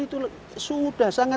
itu sudah sangat